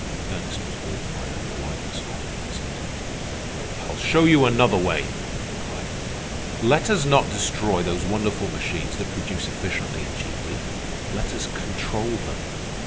Ernest was all fire and aliveness on the instant. "I'll show you another way!" he cried. "Let us not destroy those wonderful machines that produce efficiently and cheaply. Let us control them.